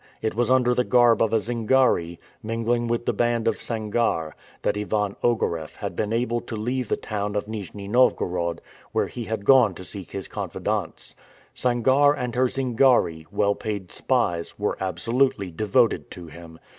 It was under the garb of a Zingari, mingling with the band of Sangarre, that Ivan Ogareff had been able to leave the town of Nijni Novgorod, where he had gone to seek his confidants. Sangarre and her Zingari, well paid spies, were absolutely devoted to him.